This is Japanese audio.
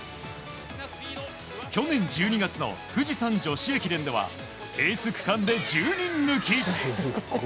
去年１２月の富士山女子駅伝ではエース区間で１０人抜き。